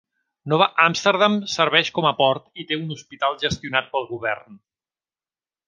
Nova Amsterdam serveix com a port i té un hospital gestionat pel govern.